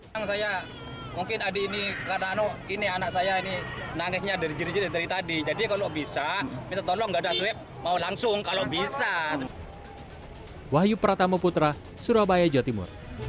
jadi kalau bisa minta tolong gak ada swab mau langsung kalau bisa